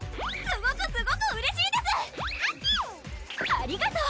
ありがとー！